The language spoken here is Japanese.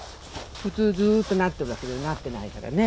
普通、ずっとなっとるけど、なってないからね。